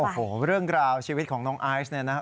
โอ้โหเรื่องราวชีวิตของน้องไอซ์เนี่ยนะครับ